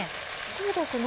そうですね。